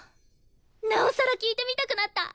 なおさら聴いてみたくなった！